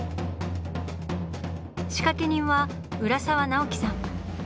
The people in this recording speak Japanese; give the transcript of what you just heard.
仕掛け人は浦沢直樹さん。